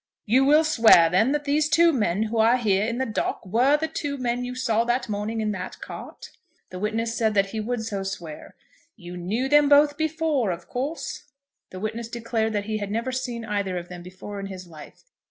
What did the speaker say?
"You will swear, then, that these two men who are here in the dock were the two men you saw that morning in that cart?" The witness said that he would so swear. "You knew them both before, of course?" The witness declared that he had never seen either of them before in his life.